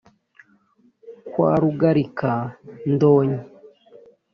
Kwa Rugarika-ndonyi